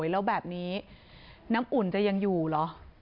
แล้วแบบนี้น้ำอุ่นจะยังอยู่เหรอ